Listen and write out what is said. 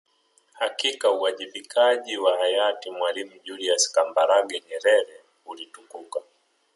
Hakika uwajibikaji wa hayati Mwalimu Julius Kambarage Nyerere ulitukuka